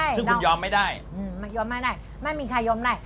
ซึ่งคุณยอมไม่ได้มันยอมไม่ได้ไม่มีใครยอมได้